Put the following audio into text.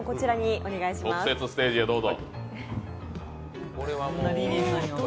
特設ステージへどうぞ。